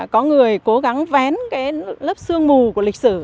có người cố gắng vén cái lớp sương mù của lịch sử